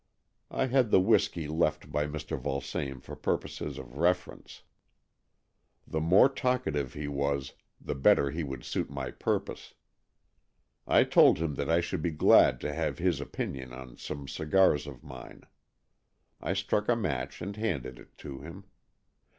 I had the whisky left by Mr. Vulsame for purposes of reference. The more talkative he was, the better he would suit my purpose. I told him that I should be glad to have his opinion on some cigars of mine. I struck a match and handed it to him.